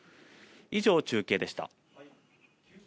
以上、中継でした。